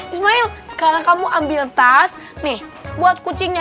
ismail sekarang kamu ambil tas nih buat kucingnya